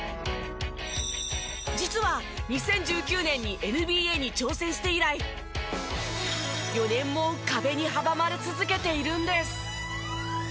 実は２０１９年にＮＢＡに挑戦して以来４年も壁に阻まれ続けているんです。